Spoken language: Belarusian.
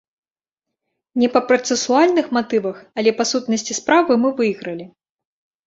Не па працэсуальных матывах, але па сутнасці справы мы выйгралі.